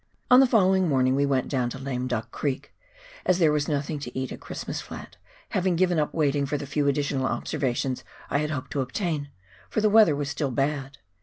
On the following morning we went down to Lame Duck Camp, as there was nothing to eat at Christmas Flat, having given up waiting for the few additional observations I had hoped to obtain, for the weather was still bad.